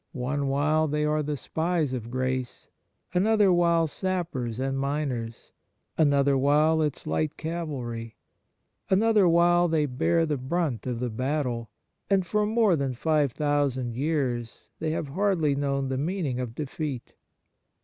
One while they are the spies of grace, another while sappers and miners, another while its light cavalry, another while they bear the brunt of the battle, and for more than five thousand years they have hardly known the meaning of defeat.